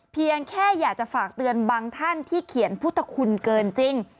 เพียงแค่อยากจะฝากเตือนบางท่านที่เขียนพุทธคุณเกินจริง